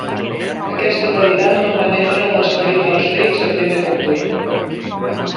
Aquesta veritat no penetra en l'esperit dels rics a primer cop d'ull.